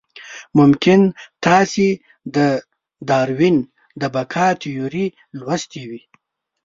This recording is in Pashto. ممکن تاسې د داروېن د بقا تیوري لوستې وي.